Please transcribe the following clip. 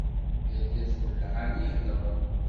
D irgazen lɛali i iḥeḍren.